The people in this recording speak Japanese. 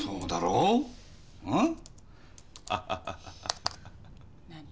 うん。